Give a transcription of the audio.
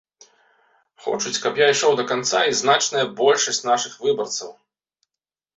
Хочуць, каб я ішоў да канца, і значная большасць нашых выбарцаў.